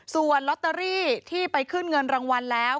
ส่วนลอตเตอรี่ที่ไปขึ้นเงินรางวัลแล้ว